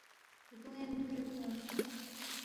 ردُون٘ین تھُورُو کھیونگس